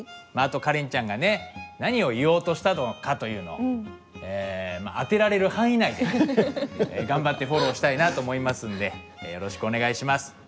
まああとカレンちゃんがね何を言おうとしたのかというのをまあ当てられる範囲内で頑張ってフォローしたいなと思いますんでよろしくお願いします。